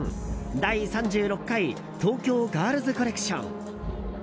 第３６回東京ガールズコレクション。